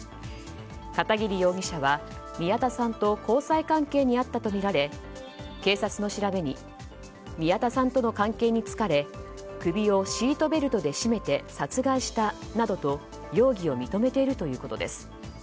片桐容疑者は宮田さんと交際関係にあったとみられ警察の調べに宮田さんとの関係に疲れ首をシートベルトで絞めて殺害したなどと容疑を認めているということです。